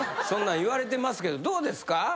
そんなん言われてますけどどうですか？